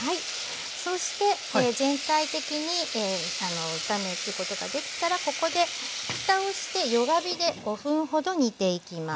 そして全体的に炒めることができたらここでふたをして弱火で５分ほど煮ていきます。